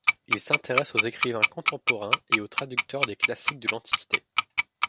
Il s'intéresse aux écrivains contemporains et aux traducteurs des classiques de l'Antiquité.